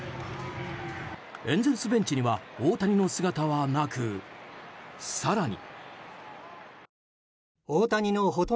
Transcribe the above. エンゼルスベンチには大谷の姿はなく、更に。